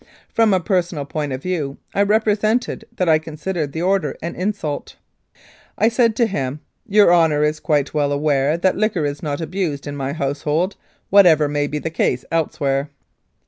From a personal point of view, I represented that I considered the order an insult. I said to him, "Your Honour is quite well aware that liquor is not abused in my household, whatever may be the case elsewhere."